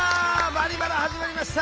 「バリバラ」始まりました！